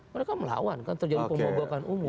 mereka melawan kan terjadi pemobokan umum